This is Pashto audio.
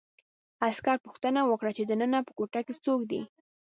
عسکر پوښتنه وکړه چې دننه په کوټه کې څوک دي